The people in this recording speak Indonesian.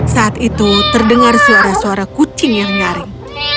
saat itu terdengar suara suara kucing yang nyaring